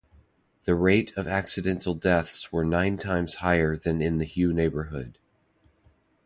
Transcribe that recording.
The rate of accidental deaths were nine times higher the Hough neighborhood.